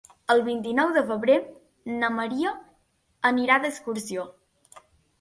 El vint-i-nou de febrer na Maria anirà d'excursió.